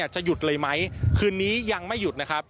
จะหยุดเลยไหมคืนนี้ยังไม่หยุดนะครับ